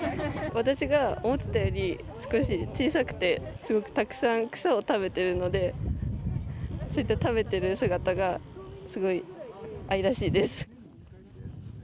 私が思っていたより少し小さくてすごくたくさん草を食べているのでそうやって食べている姿がすごい愛らしいです。